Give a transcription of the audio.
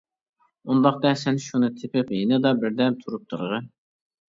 -ئۇنداقتا سەن شۇنى تېپىپ يېنىدا بىردەم تۇرۇپ تۇرغىن.